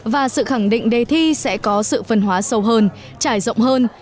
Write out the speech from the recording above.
và sự khẳng định đề thi sẽ có sự phân hóa sâu hơn trải rộng hơn